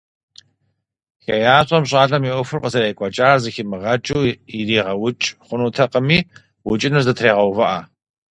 ХеящӀэм щӀалэм и Ӏуэхур къызэрекӀуэкӀар зэхимыгъэкӀыу иригъэукӀ хъунутэкъыми, укӀыныр зэтрегъэувыӀэ.